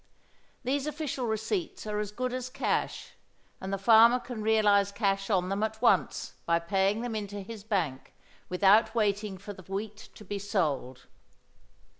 These official receipts are as good as cash, and the farmer can realise cash on them at once by paying them into his bank, without waiting for the wheat to be sold.